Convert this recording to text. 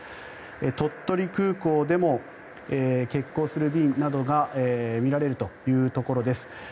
鳥取空港でも欠航する便などが見られるというところです。